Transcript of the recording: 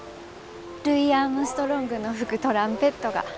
ルイ・アームストロングの吹くトランペットが。